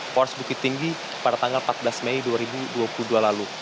pores bukit tinggi pada tanggal empat belas mei dua ribu dua puluh dua lalu